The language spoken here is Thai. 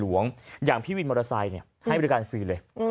หลวงอย่างพี่วินมราไซส์เนี้ยให้วิทยาลัยการฟรีเลยอื้อ